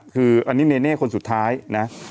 คืออันนี้เนเน่คนสุดท้ายนะ